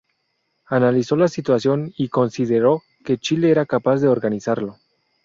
Analizó la situación y consideró que Chile era capaz de organizarlo.